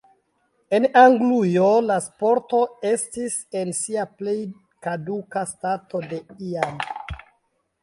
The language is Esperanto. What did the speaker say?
En Anglujo la sporto estis en sia plej kaduka stato de iam.